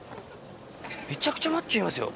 めちゃくちゃマッチョいますよ。